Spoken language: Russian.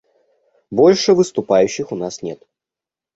Больше выступающих у нас нет.